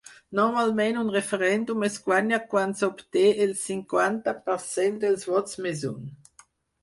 Normalment, un referèndum es guanya quan s’obté el cinquanta per cent dels vots més un.